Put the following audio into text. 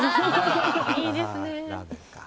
いいですね。